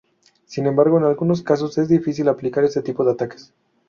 Sin embargo en algunos casos es difícil aplicar este tipo de ataques.